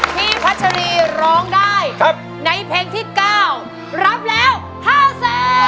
พี่พัชรีร้องได้ในเพลงที่๙รับแล้ว๕๐๐๐๐บาท